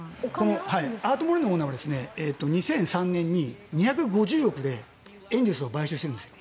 アート・モレノは２００３年に２５０億でエンゼルスを買収してるんです。